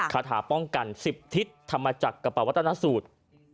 คาถาป้องกัน๑๐ทิศทำมาจากกระเป๋าวัตนสูตร